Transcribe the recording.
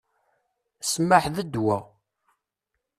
Ssmaḥ, d ddwa!